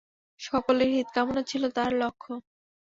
সকলের হিত-কামনা ছিল তাঁহার লক্ষ্য।